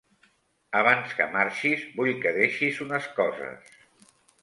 Abans que marxis, vull que deixis unes coses.